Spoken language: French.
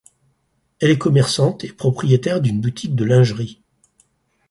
Elle est commerçante et propriétaire d'une boutique de lingerie.